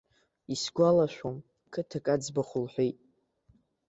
Исгәалашәом, қыҭак аӡбахә лҳәеит.